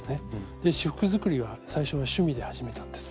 仕覆作りは最初は趣味で始めたんです。